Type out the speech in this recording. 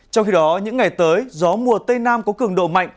trong khi đó những ngày tới gió mùa tây nam có cường độ mạnh